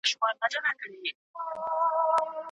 مقاومت د بریا کیلي ده.